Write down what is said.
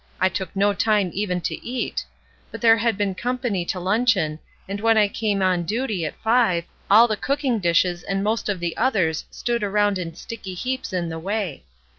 I took no time even to eat; but there had been company to limcheon, and when I came on duty at five, all the cooking dishes and most of the others stood around in sticky heaps in the way.